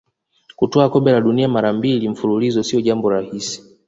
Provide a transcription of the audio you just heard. kutwaa kombe la dunia mara mbili mfululizo sio jambo rahisi